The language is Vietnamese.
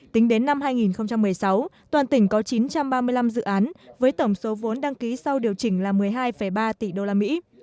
tính đến năm hai nghìn một mươi sáu toàn tỉnh có chín trăm ba mươi năm dự án với tổng số vốn đăng ký sau điều chỉnh là một mươi hai ba tỷ đô la mỹ